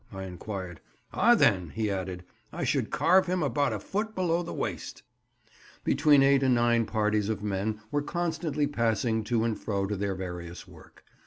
I inquired. "Ah! then," he added, "I should carve him about a foot below the waist." Between 8 and 9 parties of men were constantly passing to and fro to their various work.